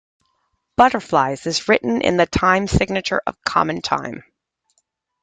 "Butterflies" is written in the time signature of common time.